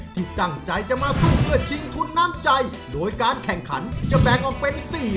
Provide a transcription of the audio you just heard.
ที่การการสู้เฉิงทุนน้ำใจ